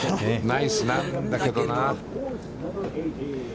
ナイスなんだけどな。